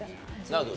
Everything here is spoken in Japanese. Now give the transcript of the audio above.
なるほど。